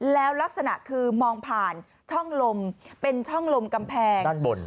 แล้วลักษณะคือมองผ่านช่องลมเป็นช่องลมกำแพงด้านบน